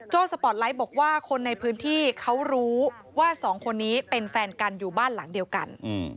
สปอร์ตไลท์บอกว่าคนในพื้นที่เขารู้ว่าสองคนนี้เป็นแฟนกันอยู่บ้านหลังเดียวกัน